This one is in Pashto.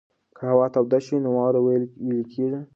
که هوا توده شي نو واوره ویلې کېږي.